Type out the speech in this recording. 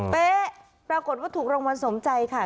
เป๊ะปรากฏว่าถูกรางวัลสมใจค่ะ